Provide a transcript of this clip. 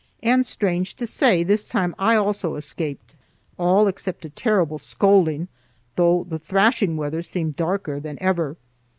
And, strange to say, this time I also escaped, all except a terrible scolding, though the thrashing weather seemed darker than ever.